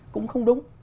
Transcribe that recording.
cũng không đúng